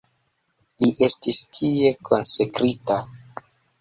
Li estis tie konsekrita.